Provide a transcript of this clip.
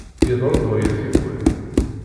Iḍerru-d waya tikkwal.